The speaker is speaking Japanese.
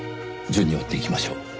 順に追っていきましょう。